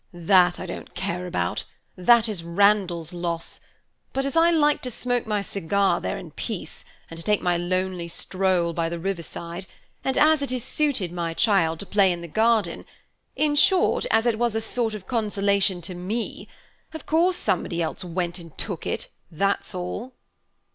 "That I don't care about, that is Randall's loss; but as I liked to smoke my cigar there in peace, and to take my lonely stroll by the river side, and as it suited my child to play in the garden–in short, as it was a sort of consolation to me –of course somebody else went and took it, that's all!"